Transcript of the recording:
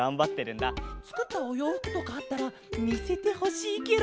つくったおようふくとかあったらみせてほしいケロ。